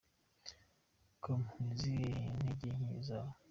com: Ni izihe ntege nke zawe ?.